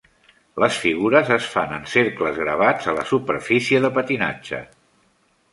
Les figures es fan en cercles gravats a la superfície de patinatge.